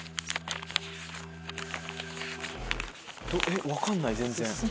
えっ分かんない全然。